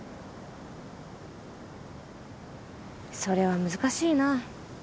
それは難しいな。